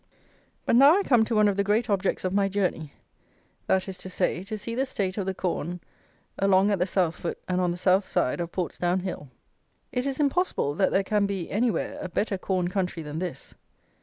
'" But now I come to one of the great objects of my journey: that is to say, to see the state of the corn along at the South foot and on the South side of Portsdown Hill. It is impossible that there can be, anywhere, a better corn country than this.